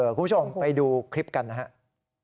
คุณผู้ชมไปดูคลิปกันนะครับ